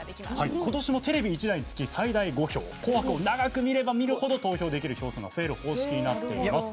今年もテレビ１台につき最大５票「紅白」を長く見れば見るほど投票できる仕組みになっています。